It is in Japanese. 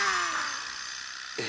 え？